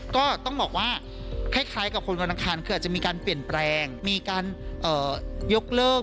ก็ต้องบอกว่าคล้ายกับคนวันอังคารคืออาจจะมีการเปลี่ยนแปลงมีการยกเลิก